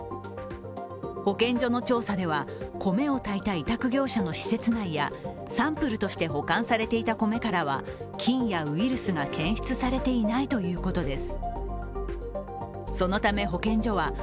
保健所の調査では米を炊いた委託業者の施設内やサンプルとして保管されていた米からは菌やウイルスが検出されていないということです。